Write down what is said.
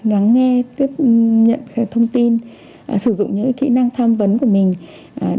lắng nghe tiếp nhận thông tin sử dụng những kỹ năng tham vấn của mình